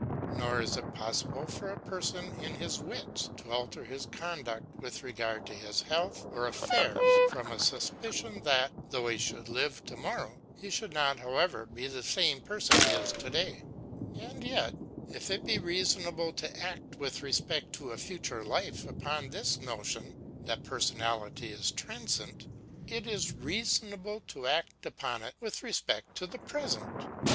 Nor is it possible for a person in his wits to alter his conduct, with regard to his health or affairs, from a suspicion, that, though he should live to morrow, he should not, however, be the same person he is to day. 262 The Analogy of Religion And yet, if it be reasonable to act, with respect to a future life, upon this notion, that personality is transient ; it is reasonable to act upon it, with respect to the pre sent.